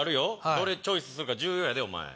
どれチョイスするか重要やで。